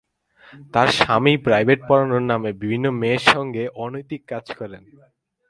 তাঁর স্বামী প্রাইভেট পড়ানোর নামে বিভিন্ন মেয়ের সঙ্গে অনৈতিক কাজ করেন।